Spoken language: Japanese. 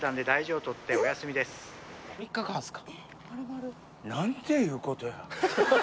３日間すか？